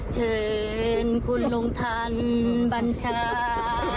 เชิญคุณลงทรรมบรรชา